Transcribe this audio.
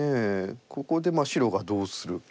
ここで白がどうするか。